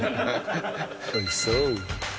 おいしそう。